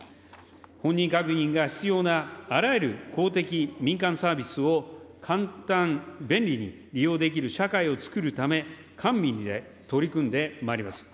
本人確認が必要な、あらゆる公的・民間サービスを簡単、便利に利用できる社会を創るため、官民で取り組んでまいります。